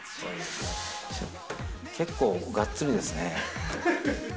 結構がっつりですね。